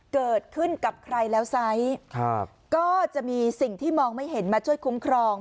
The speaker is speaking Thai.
เกิดขึ้นกับใครแล้วไซส์ก็จะมีสิ่งที่มองไม่เห็นมาช่วยคุ้มครอง